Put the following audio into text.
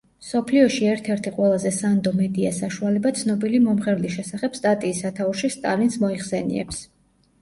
მსოფლიოში ერთ–ერთი ყველაზე სანდო მედია საშუალება ცნობილი მომღერლის შესახებ სტატიის სათაურში სტალინს მოიხსენიებს.